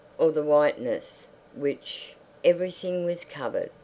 Or the whiteness—which? Everything was covered.